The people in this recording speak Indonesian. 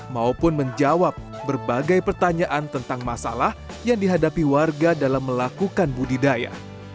maupun menjawab berbagai pertanyaan tentang masalah yang dihadapi warga dalam melakukan budidaya